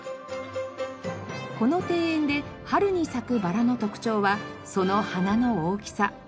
この庭園で春に咲くバラの特徴はその花の大きさ。